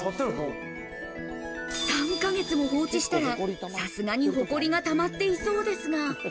３ヶ月も放置したら、さすがにホコリがたまっていそうですが。